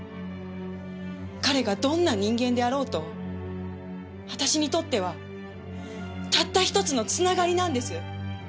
彼がどんな人間であろうと私にとってはたった１つのつながりなんです！